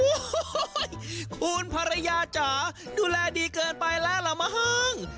อุ้ยคุณภรรยาจ๋าดูแลดีเกินไปแล้วเหรอบาง